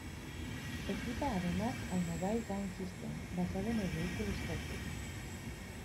Equipa además al Mobile Gun System, basado en el vehículo Stryker.